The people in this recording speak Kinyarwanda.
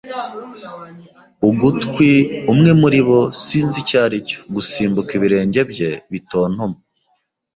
ugutwi, umwe muribo - sinzi icyo aricyo - gusimbuka ibirenge bye bitontoma